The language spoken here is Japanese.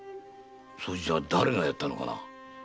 それじゃ誰がやったのかな？